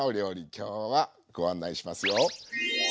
今日はご案内しますよ。